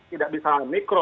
tidak bisa mikro